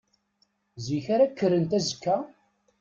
Zik ara kkrent azekka?